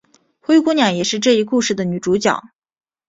灰姑娘也是这一故事的女主角。